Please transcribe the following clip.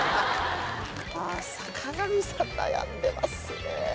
あぁ坂上さん悩んでますね。